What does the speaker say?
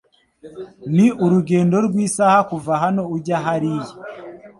Ni urugendo rw'isaha kuva hano ujya hariya.